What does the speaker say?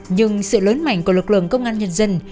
nhưng sự lớn mạnh của lực lượng công an nhân dân